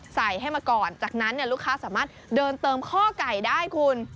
ใส่ให้มาก่อนจากนั้นลูกค้าสามารถเดินเติมข้อไก่ได้คุณ